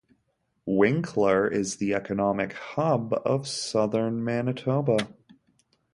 Winkler is the economic hub of southern Manitoba.